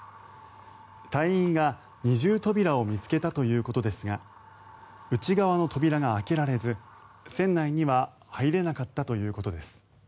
隊員が二重扉を見つけたということですが内側の扉が開けられず、船内には入れなかったということです。